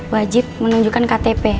wajib menunjukkan ktp